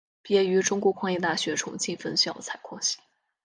毕业于中国矿业大学重庆分校采矿系。